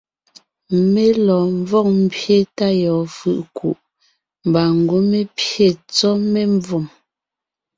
Mé lɔɔn ḿvɔg ḿbye tá yɔɔn fʉ̀ʼ ńkuʼ, mbà ńgwɔ́ mé pyé tsɔ́ memvòm.